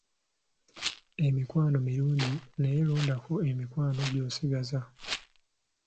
Emikwano mirungi naye londako emikwano gy'osigaza.